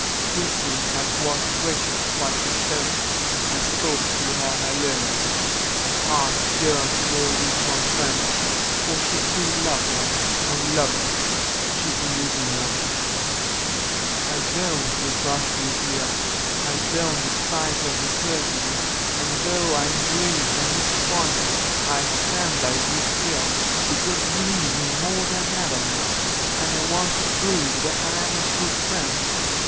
Christie had watched Rachel while she spoke, and spoke to her alone; her heart yearned toward this one friend, for she still loved her, and, loving, she believed in her. "I don't reproach you, dear: I don't despise or desert you, and though I'm grieved and disappointed, I'll stand by you still, because you need me more than ever now, and I want to prove that I am a true friend.